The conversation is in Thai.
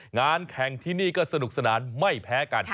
งานแข่งที่นี่ก็สนุกสนานไม่แพ้กัน